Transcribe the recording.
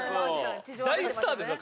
大スターですよ